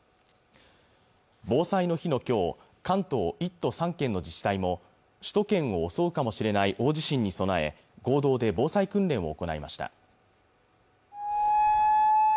防災の日のきょう関東１都３県の自治体も首都圏を襲うかもしれない大地震に備え合同で防災訓練を行いました